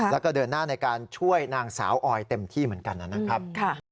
แล้วก็เดินหน้าในการช่วยนางสาวออยเต็มที่เหมือนกันนะครับ